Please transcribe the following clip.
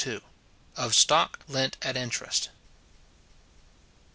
OF STOCK LENT AT INTEREST.